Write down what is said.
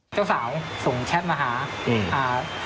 เจ้าสาวส่งแชตมาหา